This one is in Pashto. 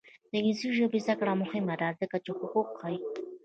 د انګلیسي ژبې زده کړه مهمه ده ځکه چې حقوق ښيي.